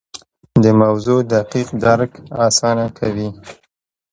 د موضوع دقیق درک اسانه کوي.